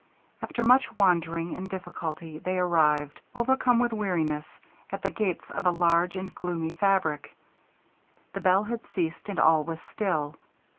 After much wandering and difficulty they arrived, overcome with weariness, at the gates of a large and gloomy fabric. The bell had ceased, and all was still.